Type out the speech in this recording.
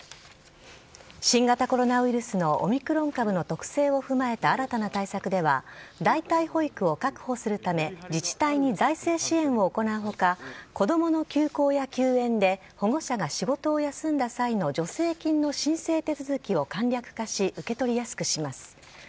新型コロナウイルスのオミクロン株の特性を踏まえた新たな対策では、代替保育を確保するため、自治体に財政支援を行うほか、子どもの休校や休園で、保護者が仕事を休んだ際の助成金の申請手続きを簡略化し、受け取りやすくします。